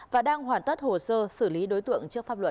và đang hoàn tất hồ sơ xử lý đối tượng trước pháp luật